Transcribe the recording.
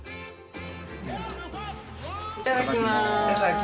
いただきます。